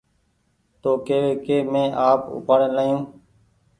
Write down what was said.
تو ڪيوي ڪي مينٚ آپ اُپآڙين لآيو